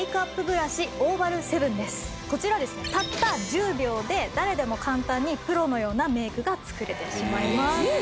こちらですねたった１０秒で誰でも簡単にプロのようなメイクが作れてしまいます。